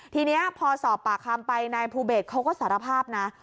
ทีนี้พอสอบปากคำไปนายภูเบสเขาก็สารภาพนะ